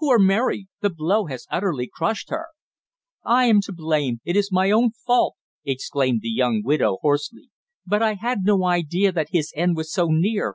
"Poor Mary! The blow has utterly crushed her." "I am to blame it is my own fault!" exclaimed the young widow, hoarsely. "But I had no idea that his end was so near.